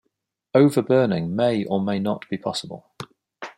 Overburning may or may not be possible.